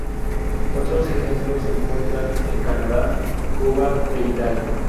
Otros ejemplos se encuentran en Canadá, Cuba e Italia.